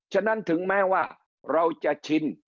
ฉะนั้นถึงแม้ว่าเราจะชิน